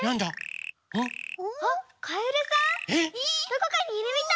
あっかえるさん？